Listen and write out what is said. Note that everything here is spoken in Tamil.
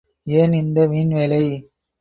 ஏன் இந்த வீண்வேலை.